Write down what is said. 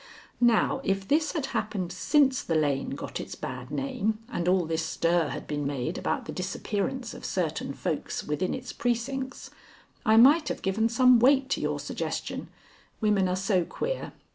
Now, if this had happened since the lane got its bad name and all this stir had been made about the disappearance of certain folks within its precincts, I might have given some weight to your suggestion women are so queer.